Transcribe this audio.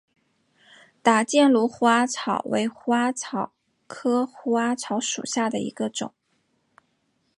打箭炉虎耳草为虎耳草科虎耳草属下的一个种。